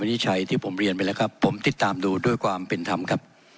นิจฉัยที่ผมเรียนไปแล้วครับผมติดตามดูด้วยความเป็นธรรมครับ